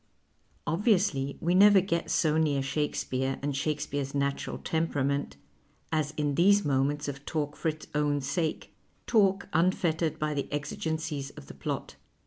Obviously we never get so near Shakespeare and Shakespeare's natural temperament, as in these moments of talk for its own sake, talk unfettered by the exigencies of the ])lot.